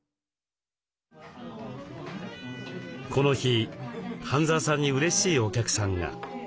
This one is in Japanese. この日半澤さんにうれしいお客さんが。